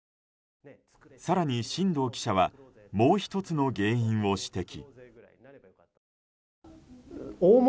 更に進藤記者はもう１つの原因を指摘。